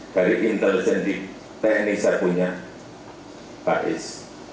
dari intelijen di tni saya punya tais